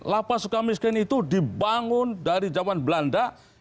lapas suka miskin itu dibangun dari zaman belanda